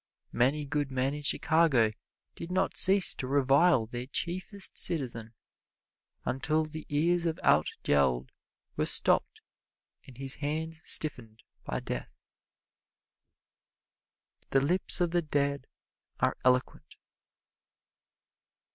Many good men in Chicago did not cease to revile their chiefest citizen, until the ears of Altgeld were stopped and his hands stiffened by death. The lips of the dead are eloquent.